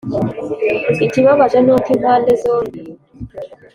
ikibabaje nuko impande zombe